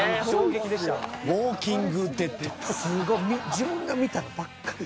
自分が見たのばっかり。